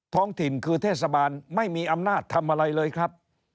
ท้องถิ่นคือเทศบาลไม่มีอำนาจทำอะไรเลยครับ